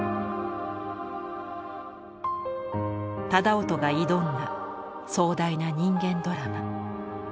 楠音が挑んだ壮大な人間ドラマ。